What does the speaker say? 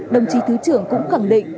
đồng chí thứ trưởng cũng khẳng định